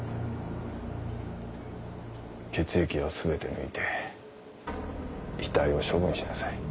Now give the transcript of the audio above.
血液を全て抜いて遺体を処分しなさい。